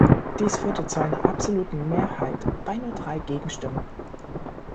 Dies führte zu einer absoluten Mehrheit bei nur drei Gegenstimmen.